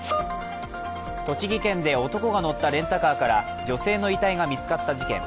栃木県で男が乗ったレンタカーから女性の遺体が見つかった事件。